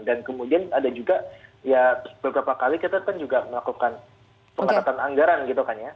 dan kemudian ada juga ya beberapa kali kita kan juga melakukan pengatatan anggaran gitu kan ya